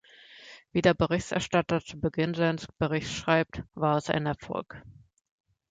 Wie der Berichterstatter zu Beginn seines Berichts schreibt, war es ein Erfolg.